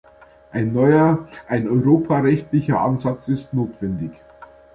Ein neuer, ein europarechtlicher Ansatz ist notwendig.